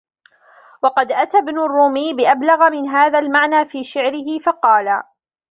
وَقَدْ أَتَى ابْنُ الرُّومِيِّ بِأَبْلَغَ مِنْ هَذَا الْمَعْنَى فِي شَعْرِهِ فَقَالَ